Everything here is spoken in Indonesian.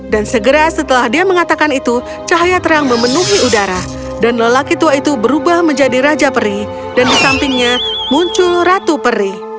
dan segera setelah dia mengatakan itu cahaya terang memenuhi udara dan lelaki tua itu berubah menjadi raja peri dan di sampingnya muncul ratu peri